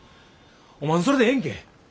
おまんそれでええんけ？